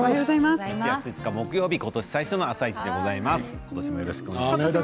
１月５日木曜日今年最初の「あさイチ」でございます。